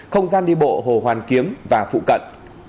không gian đi bộ hồ hoàn kiếm và phụ cận